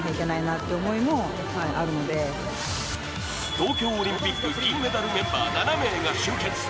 東京オリンピック銀メダルメンバー７名が集結。